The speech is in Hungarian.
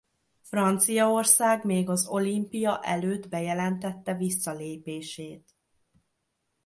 Franciaország még az olimpia előtt bejelentette visszalépését.